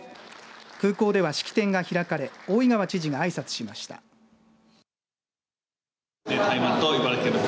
空港では式典が開かれ大井川知事があいさつしました。